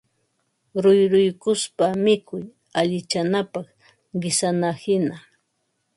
ruyruykuspa mikuy allichanapaq, qisanahina